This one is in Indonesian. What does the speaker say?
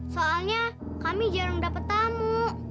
soalnya kami jarang dapat tamu